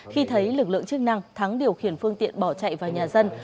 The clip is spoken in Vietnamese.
khi thấy lực lượng chức năng thắng điều khiển phương tiện bỏ chạy vào nhà dân